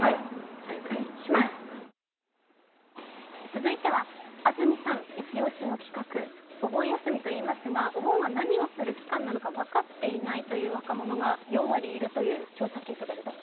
続いては安住さん一押しの企画、お盆休みといいますがお盆は何をする期間なのか分かっていない若者が４割いるという調査結果が出ました。